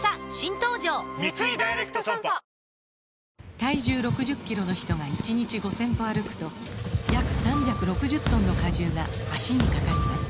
体重６０キロの人が１日５０００歩歩くと約３６０トンの荷重が脚にかかります